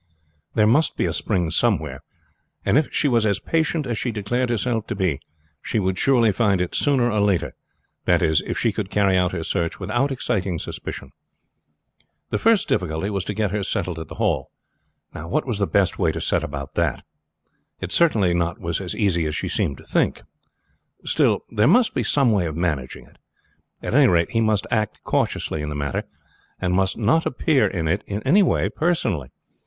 There must be a spring somewhere, and if she was as patient as she declared herself to be, she would surely find it sooner or later; that is, if she could carry out her search without exciting suspicion. The first difficulty was to get her settled at the Hall. What was the best way to set about that? It certainly was not as easy as she seemed to think, still there must be some way of managing it. At any rate he must act cautiously in the matter, and must not appear in it in any way personally.